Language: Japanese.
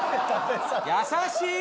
優しい。